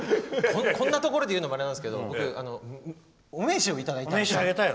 こんなところで言うのもあれですけど僕、お名刺をいただいたんです。